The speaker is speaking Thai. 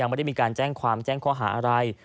บอกหมดเลย